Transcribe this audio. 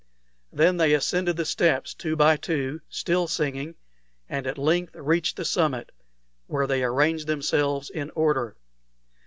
Then they ascended the steps, two by two, still singing, and at length reached the summit, where they arranged themselves in order.